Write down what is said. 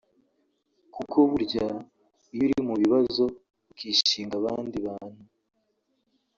Kuko burya iyo uri mu bibazo ukishinga abandi bantu